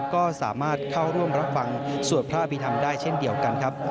ก็สามารถเข้าร่วมรับฟังสวดพระอภิษฐรรมได้เช่นเดียวกันครับ